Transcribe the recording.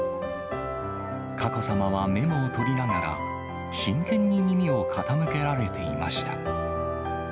佳子さまはメモを取りながら、真剣に耳を傾けられていました。